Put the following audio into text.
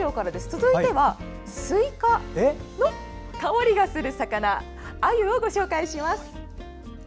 続いては、すいかの香りがする魚アユをご紹介します！